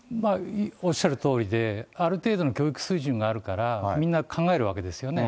おっしゃるとおりで、ある程度の教育水準があるから、みんな考えるわけですよね。